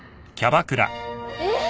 えっ！？